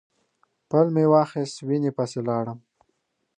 پل مې واخیست وینې پسې لاړم.